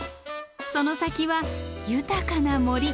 その先は豊かな森。